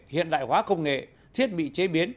hiện đại hóa công nghệ thiết bị chế biến